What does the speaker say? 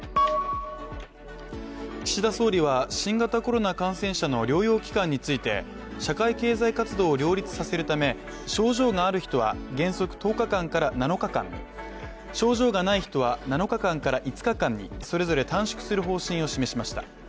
岸田総理は新型コロナ感染者の療養期間について社会経済活動を両立させるため、症状がある人は原則１０日間から７日間症状がない人は７日間から５日間にそれぞれ短縮する方針を示しました。